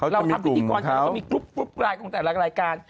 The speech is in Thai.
เราทำวิธีกรแต่มีกุลปร้ายของแต่ละรายการ